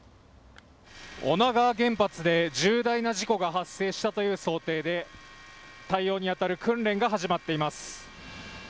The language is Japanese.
女川原発で重大な事故が発生したという想定で対応にあたる訓練が始まっています。